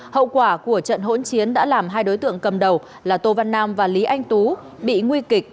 hậu quả của trận hỗn chiến đã làm hai đối tượng cầm đầu là tô văn nam và lý anh tú bị nguy kịch